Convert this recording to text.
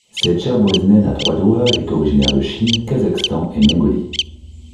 Cette gerboise naine à trois doigts est originaire de Chine, Kazakhstan et Mongolie.